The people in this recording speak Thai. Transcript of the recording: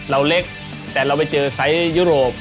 เราเล็กแต่เราไปเจอไซส์ยุโรป